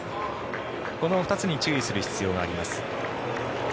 この２つに注意する必要があります。